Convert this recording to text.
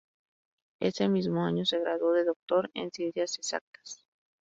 Ese mismo año se graduó de doctor en Ciencias Exactas.